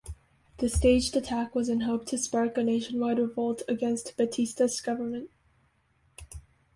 The staged attack was in hope to spark a nationwide revolt against Batista's government.